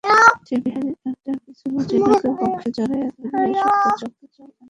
সে বিহারীর একটা-কিছু চিহ্নকে বক্ষে জড়াইয়া ধরিয়া শুষ্ক চক্ষে জল আনিতে চায়।